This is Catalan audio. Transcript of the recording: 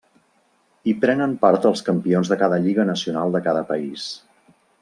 Hi prenen part els campions de cada lliga nacional de cada país.